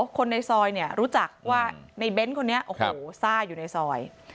คนในซอยเนี่ยรู้จักว่าในเบ้นคนนี้โอ้โหซ่าอยู่ในซอย